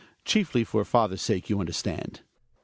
Chiefly for father's sake, you understand.